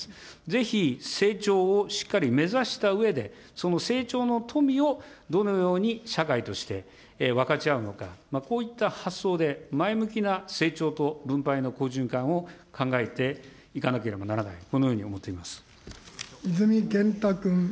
ぜひ成長をしっかり目指したうえで、その成長の富をどのように社会として分かち合うのか、こういった発想で、前向きな成長と分配の好循環を考えていかなければならない、この泉健太君。